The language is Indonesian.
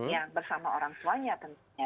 ya bersama orang tuanya tentunya